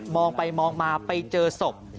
องไปมองมาไปเจอศพ